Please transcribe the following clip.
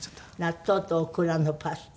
納豆とオクラのパスタ。